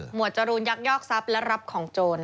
หมวดจรูลยักษ์ยอกทรัพย์และรับของโจร